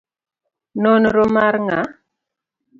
Nonro mar nga'?